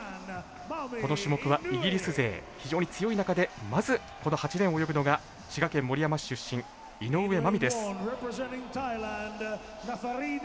この種目はイギリス勢非常に強い中でまず、この８レーンを泳ぐのが滋賀県守山市出身、井上舞美です。